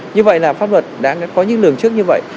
như vậy là pháp luật đã có những lường trước như vậy